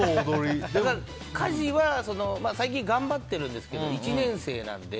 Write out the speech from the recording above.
家事は最近頑張ってるんですけど１年生なので。